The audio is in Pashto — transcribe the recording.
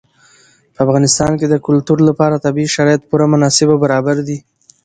په افغانستان کې د کلتور لپاره طبیعي شرایط پوره مناسب او برابر دي.